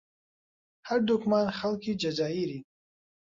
هەردووکمان خەڵکی جەزائیرین.